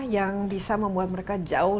yang bisa membuat mereka jauh